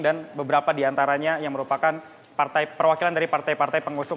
dan beberapa di antaranya yang merupakan perwakilan dari partai partai pengusung